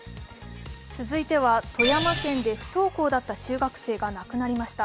続いては、富山県で不登校だった中学生が亡くなりました。